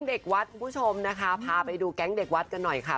เด็กวัดคุณผู้ชมนะคะพาไปดูแก๊งเด็กวัดกันหน่อยค่ะ